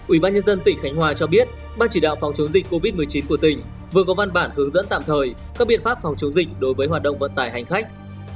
ủy ban nhân dân tỉnh khánh hòa cho biết ban chỉ đạo phòng chống dịch covid một mươi chín của tỉnh vừa có văn bản hướng dẫn tạm thời các biện pháp phòng chống dịch đối với hoạt động vận tải hành khách